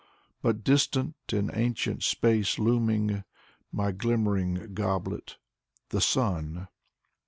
But distant, in ancient space looming, My glimmering goblet: the Sun.